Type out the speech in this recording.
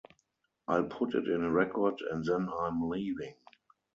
I'll put it in Record, and then I'm "leaving".